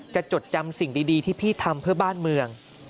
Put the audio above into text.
จดจำสิ่งดีที่พี่ทำเพื่อบ้านเมือง